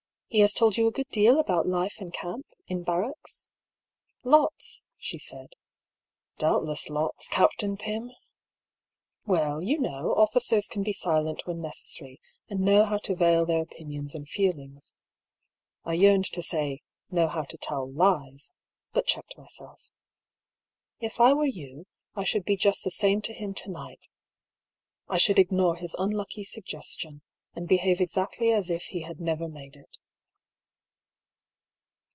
He has told you a good deal about life in camp, in barracks ?"" Lots," she said. (Doubtless lots, Captain Pym !)" Well, you know, officers can be silent when neces sary, and know how to veil their opinions and feel ings." (I yearned to say, " know how to tell lies," but checked myself.) " If I were you, I should be just the same to him to night: I should ignore his unlucky suggestion, and behaye exactly as if he had never made it."